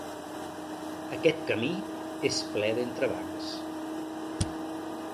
Aquest camí és ple d'entrebancs.